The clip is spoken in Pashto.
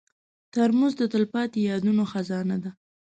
ترموز د تلپاتې یادونو خزانه ده.